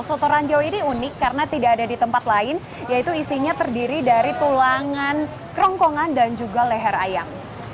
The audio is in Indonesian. soto ranjau ini unik karena tidak ada di tempat lain yaitu isinya terdiri dari tulangan kerongkongan dan juga leher ayam